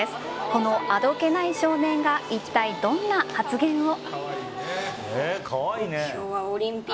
このあどけない少年が一体どんな発言を。